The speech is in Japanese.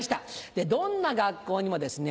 でどんな学校にもですね